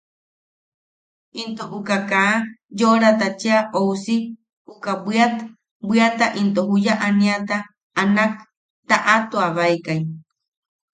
Into uka kaa yoʼoraata cheʼa ousi uka bwiat... bwiata into juya aniata a nak taʼatuabaekai.